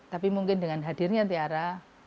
tapi mungkin dengan hadirnya tiara